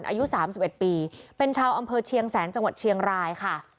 อายุ๓๑ปีเป็นชาวอำเภอเชียงแสนจังหวัดเชียงรายค่ะ